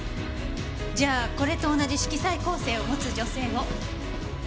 じゃあこれと同じ色彩構成を持つ女性を。